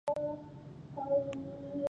دوي په دې نپوهيږي